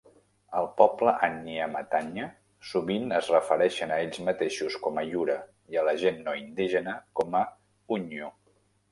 El poble Adnyamathanha sovint es refereixen a ells mateixos com a "yura" i a la gent no indígena com a "udnyu".